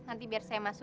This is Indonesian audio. nanti biar saya masuk